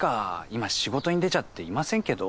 今仕事に出ちゃっていませんけど。